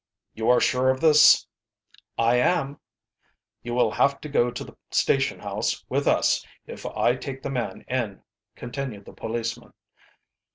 "You are sure of this?" "I am " "You will have to go to the station house with us if I take the man in," continued the policeman.